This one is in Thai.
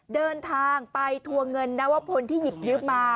เดินทางไปทั่วเงินนาวที่หยิบยืบมา